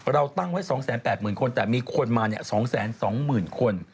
เราตั้งไว้๒๘๐๐๐คนแต่มีคนมา๒๒๐๐๐คน